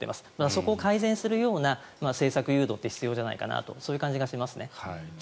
そこを改善するような政策誘導って必要じゃないかなという気がしますね。